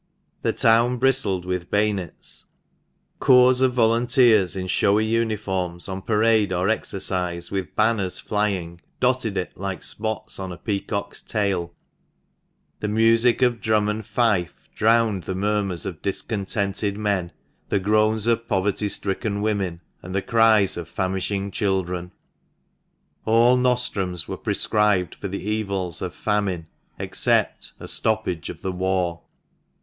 The town bristled with bayonets ; corps of volunteers in showy uniforms, on parade or exercise, with banners flying, dotted it like spots on a peacock's tail ; the music of drum and fife drowned the murmurs of discontented men, the groans of poverty stricken women, and the cries of famishing children. All nostrums were prescribed for the evils of famine except a stoppage of the war.